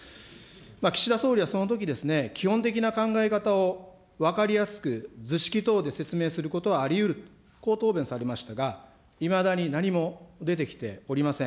岸田総理はそのとき、基本的な考え方を分かりやすく、図式等で説明することはありうる、こう答弁されましたが、いまだに何も出てきておりません。